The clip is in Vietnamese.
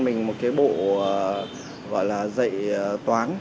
mình một cái bộ gọi là dạy toán